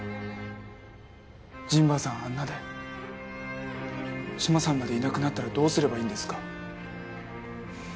陣馬さんあんなで志摩さんまでいなくなったらどうすればいいんですか？